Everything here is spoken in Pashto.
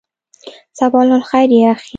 صباح الخیر یا اخی.